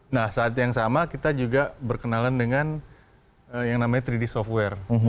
nah saat yang sama kita juga berkenalan dengan yang namanya tiga d software